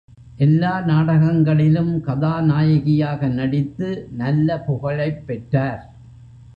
எல்லா நாடகங்களிலும் கதாநாயகியாக நடித்து நல்ல புகழைப் பெற்றார்.